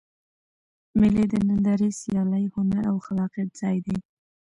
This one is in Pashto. مېلې د نندارې، سیالۍ، هنر او خلاقیت ځای دئ.